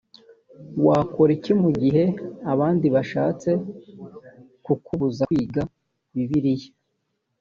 wakora iki mu gihe abandi bashatse kukubuza kwiga bibiliya